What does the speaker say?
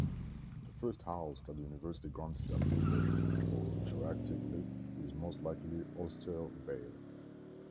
The first house that the University granted approval for retroactively is most likely Osterweil.